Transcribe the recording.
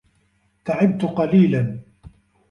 تعبت قليلًا.